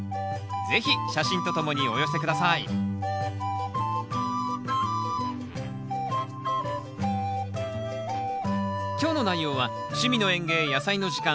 是非写真とともにお寄せ下さい今日の内容は「趣味の園芸やさいの時間」